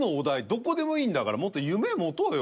どこでもいいんだからもっと夢持とうよ。